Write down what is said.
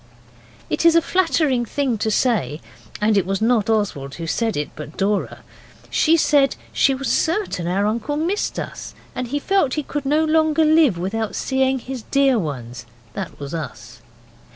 It is a flattering thing to say, and it was not Oswald who said it, but Dora. She said she was certain our uncle missed us, and that he felt he could no longer live without seeing his dear ones (that was us).